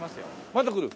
まだ来る？